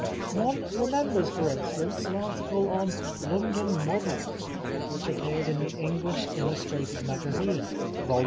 One remembers, for instance, an article on " London Models " which appeared in The English Illustrated Magazine (vol.